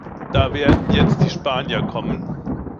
Da werden jetzt die Spanier kommen.